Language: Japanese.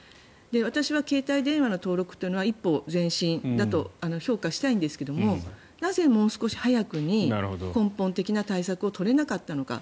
私は携帯電話の登録というのは一歩前進だと評価したいんですがなぜ、もう少し早くに根本的な対策を取れなかったのか。